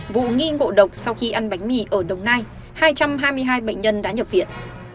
vụ nghi ngộ độc sau khi ăn bánh mì ở đồng nai hai trăm hai mươi hai bệnh nhân đã nhập viện